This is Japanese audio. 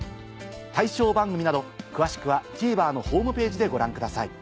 対象番組など詳しくはＴＶｅｒのホームページでご覧ください。